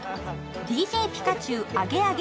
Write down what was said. ＤＪ ピカチュウアゲアゲ